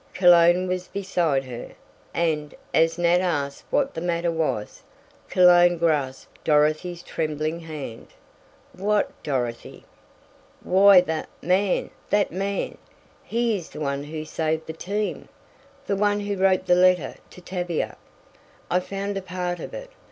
Cologne was beside her, and, as Nat asked what the matter was, Cologne grasped Dorothy's trembling hand. "What, Dorothy?" "Why the man! That man! He is the one who saved the team the one who wrote the letter to Tavia. I found a part of it.